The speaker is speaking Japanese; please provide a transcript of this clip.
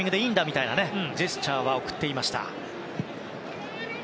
みたいなジェスチャーは送っていました。